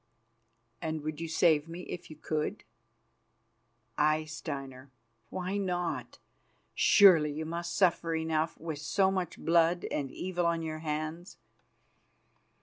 "And would you save me if you could?" "Aye, Steinar. Why not? Surely you must suffer enough with so much blood and evil on your hands."